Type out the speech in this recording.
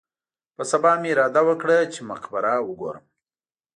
په سبا مې اراده وکړه چې مقبره وګورم.